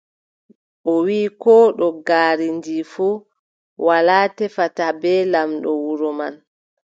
O wii, kooɗo ngaari ndi fuu, haala tefata bee laamɗo wuro man.